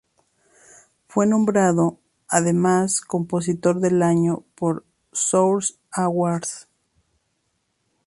Fue nombrado, además, compositor del año por Source Awards.